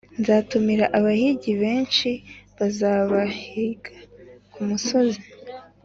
Nzatumira abahigi benshi bazabahiga ku musozi